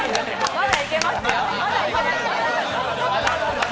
まだいけますよ。